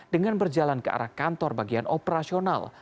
dengan berjalan ke arah kantor bagian operasional